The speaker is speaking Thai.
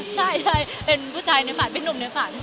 ใช่เป็นผู้ชายในฝันเป็นนุ่มในฝัน